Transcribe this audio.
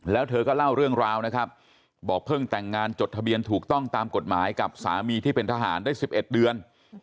แล้วเธอก็เล่าเรื่องราวนะครับบอกเพิ่งแต่งงานจดทะเบียนถูกต้องตามกฎหมายกับสามีที่เป็นทหารได้๑๑เดือน